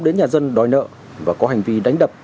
đến nhà dân đòi nợ và có hành vi đánh đập